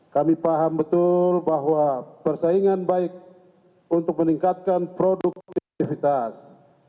kami paham betul bahwa persaingan baik untuk meningkatkan produktivitas